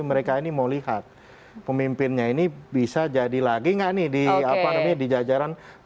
mereka ini mau lihat pemimpinnya ini bisa jadi lagi nggak nih di jajaran puncak pemimpinnya